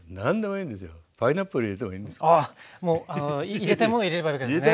入れたいもの入れればいいわけですね。